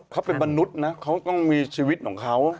เขาเป็นมนุษย์นะเขาต้องมีชีวิตของเขา